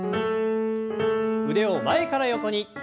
腕を前から横に。